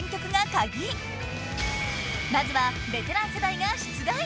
まずはベテラン世代が出題！